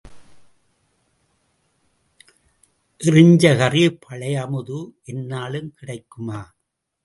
எறிச்ச கறி பழையமுது எந்நாளும் கிடைக்குமா?